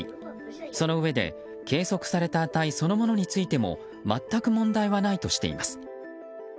そのうえで、計測された値そのものについても全く問題はないとしています。